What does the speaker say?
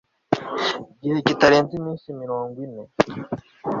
gihe kitarenze iminsi mirongo ine